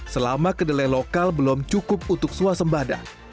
selama kedelai lokal belum cukup untuk suasembada